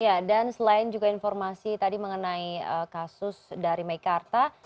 ya dan selain juga informasi tadi mengenai kasus dari meikarta